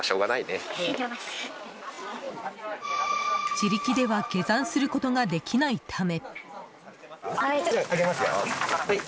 自力では下山することができないため。